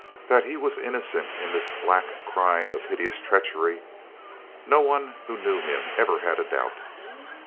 That he was innocent in this black crime of hideous treachery, no one who knew him ever had a doubt.